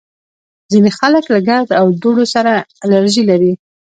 ځینې خلک له ګرد او دوړو سره الرژي لري